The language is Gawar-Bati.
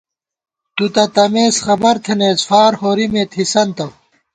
تُو تہ تمېس خبر تھنئیس فار ہورِمے تھِسنتہ